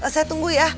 saya tunggu ya